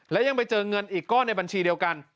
และยังไปเจอเงินอีกก้อนในบัญชีเดียวกัน